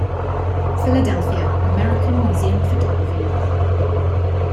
Philadelphia: American Museum of Photography.